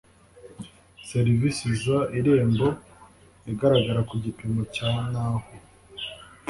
serivisi z irembo igaragara ku gipimo cya naho